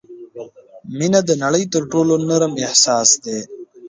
• مینه د نړۍ تر ټولو نرم احساس دی.